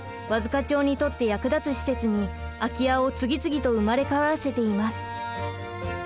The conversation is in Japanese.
和束町にとって役立つ施設に空き家を次々と生まれ変わらせています。